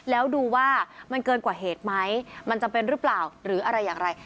แล้วดูว่ามันเกินกว่าเหตุไหมมันจำเป็นหรือเปล่าหรืออะไรอย่างไร